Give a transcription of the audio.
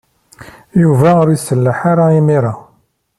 Yuba ur iselleḥ ara imir-a.